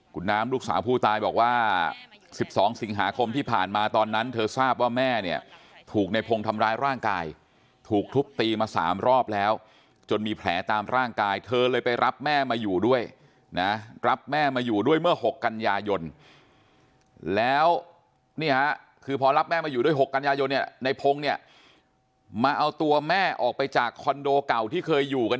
คุณน้ำลูกสาวผู้ตายบอกว่า๑๒สิงหาคมที่ผ่านมาตอนนั้นเธอทราบว่าแม่เนี่ยถูกในพงศ์ทำร้ายร่างกายถูกทุบตีมา๓รอบแล้วจนมีแผลตามร่างกายเธอเลยไปรับแม่มาอยู่ด้วยนะรับแม่มาอยู่ด้วยเมื่อ๖กันยายนแล้วเนี่ยคือพอรับแม่มาอยู่ด้วย๖กันยายนเนี่ยในพงศ์เนี่ยมาเอาตัวแม่ออกไปจากคอนโดเก่าที่เคยอยู่กัน